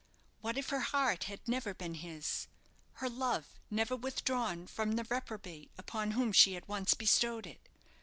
What if her heart had never been his her love never withdrawn from the reprobate upon whom she had once bestowed it!